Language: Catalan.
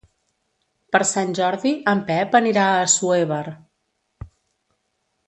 Per Sant Jordi en Pep anirà a Assuévar.